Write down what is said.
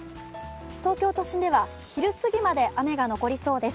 東京都心では昼過ぎまで雨が残りそうです。